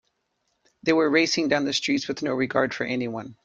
They were racing down the streets with no regard for anyone.